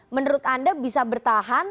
menurut anda bisa bertahan